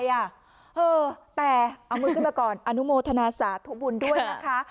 เออแต่เอามือขึ้นมาก่อนอนุโมทนาสาธุบุญด้วยนะคะ